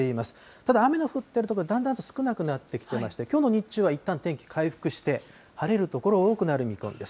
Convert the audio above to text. ただ、雨の降っている所、だんだんと少なくなってきていまして、きょうの日中はいったん天気回復して、晴れる所、多くなる見込みです。